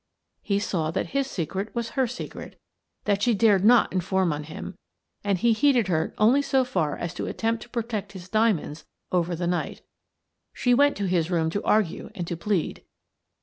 He saw that his secret was her secret, that she dared not inform on him, and he heeded her only so far as to attempt to protect his diamonds over the night She went to his room to argue and to plead.